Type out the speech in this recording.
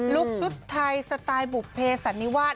ชุดไทยสไตล์บุภเพสันนิวาส